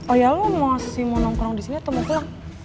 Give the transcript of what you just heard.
oh ya lu masih mau nongkrong disini atau mau pulang